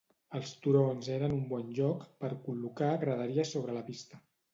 Els turons eren un bon lloc per col·locar graderies sobre la pista.